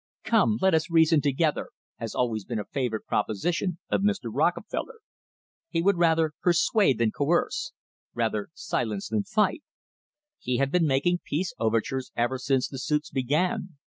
"Come, let us reason together," has always been a favourite proposition of Mr. Rockefeller. He would rather persuade than coerce, rather silence than fight. He had been making peace overtures ever since the suits began.